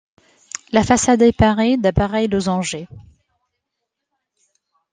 La façade est parée d'appareil losangé.